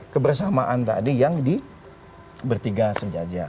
kebersamaan tadi yang di bertiga senjata